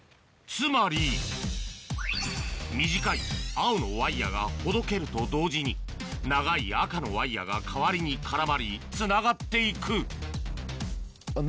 つまり短い青のワイヤがほどけると同時に長い赤のワイヤが代わりに絡まりつながっていくあっ